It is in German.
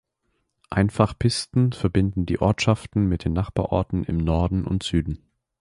Einfach Pisten verbinden die Ortschaften mit den Nachbarorten im Norden und Süden.